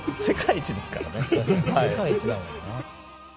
世界一だもんな。